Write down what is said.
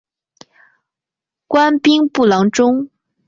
官兵部郎中。